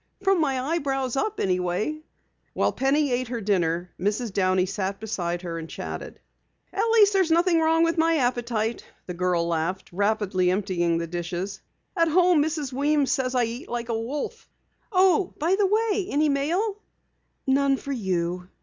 From my eyebrows up anyway." While Penny ate her dinner, Mrs. Downey sat beside her and chatted. "At least there's nothing wrong with my appetite," the girl laughed, rapidly emptying the dishes. "At home Mrs. Weems says I eat like a wolf. Oh, by the way, any mail?" "None for you."